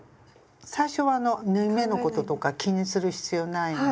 最初は縫い目のこととか気にする必要ないので。